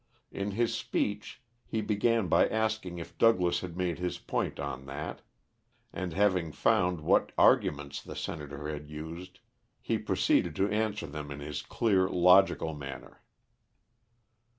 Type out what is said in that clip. In his speech, he began by asking if Douglas had made his point on that; and having found what arguments the senator had used, he proceeded to answer them in his clear, logical manner.